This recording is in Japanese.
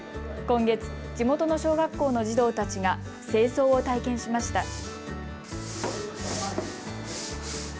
今月、地元の小学校の児童たちが清掃を体験しました。